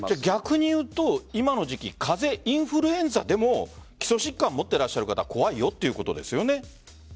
逆にいうと今の時期風邪、インフルエンザでも基礎疾患を持っていらっしゃる方怖いよということですよね。